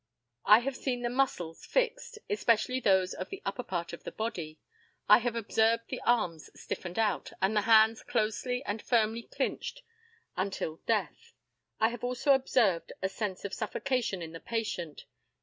I have seen the muscles fixed, especially those of the upper part of the body. I have observed the arms stiffened out, and the hands closely and firmly clinched until death. I have also observed a sense of suffocation in the patient.